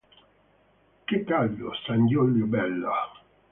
Che caldo, San Giulio bello!